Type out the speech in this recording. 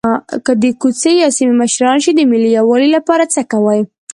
که د کوڅې یا سیمې مشران شئ د ملي یووالي لپاره څه کوئ.